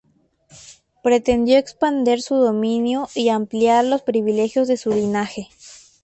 Pretendió extender su dominio y ampliar los privilegios de su linaje.